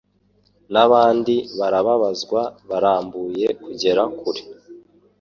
n'abandi barababazwa barambuye kugera kure